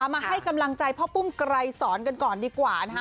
มาให้กำลังใจพ่อปุ้มไกรสอนกันก่อนดีกว่านะคะ